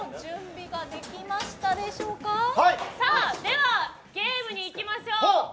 ではゲームにいおきましょう。